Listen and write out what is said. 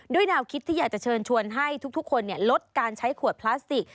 แนวคิดที่อยากจะเชิญชวนให้ทุกคนลดการใช้ขวดพลาสติก